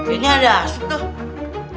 ini ada aset tuh